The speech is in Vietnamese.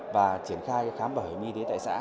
và triển khai khám bảo hiểm y tế tại xã